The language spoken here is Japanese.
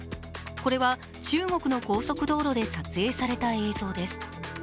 これは中国の高速道路で撮影された映像です。